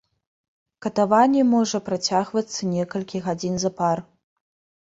Катаванне можа працягвацца некалькі гадзін запар.